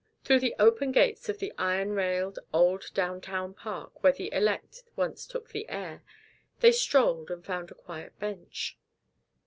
Through the open gates of the iron railed, old, downtown park, where the elect once took the air, they strolled and found a quiet bench.